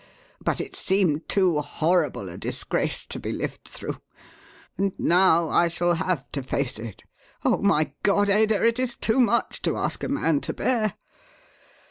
"But it seemed too horrible a disgrace to be lived through. And now I shall have to face it! Oh, my God, Ada, it is too much to ask a man to bear!